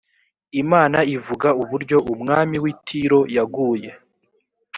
imana ivuga uburyo umwami w ‘i tiro yaguye.